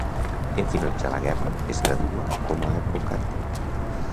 En finalitzar la guerra, es gradua com a advocat.